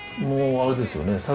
もうあれですよね